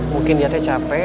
mungkin dia ate capek